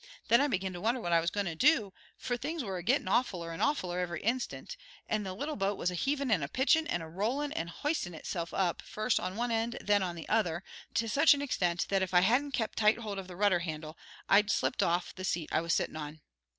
Then I began to wonder what I was goin' to do, for things were gettin' awfuller and awfuller every instant, and the little boat was a heavin' and a pitchin' and a rollin' and h'istin' itself up, first on one end and then on the other, to such an extent that if I hadn't kept tight hold of the rudder handle I'd slipped off the seat I was sittin' on.